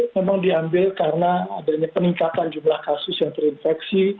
memang diambil karena adanya peningkatan jumlah kasus yang terinfeksi